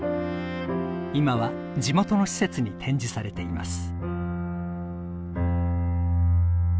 今は地元の施設に展示されています。